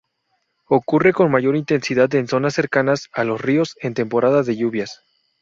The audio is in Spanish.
Ocurre con mayor intensidad en zonas cercanas a los ríos en temporada de lluvias.